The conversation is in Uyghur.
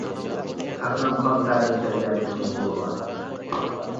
خەقنىڭ قان تەرىدە كەلگەن پۇلىنى بۇلىما!